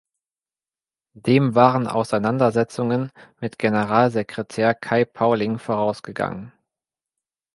Dem waren Auseinandersetzungen mit Generalsekretär Kai Pauling vorausgegangen.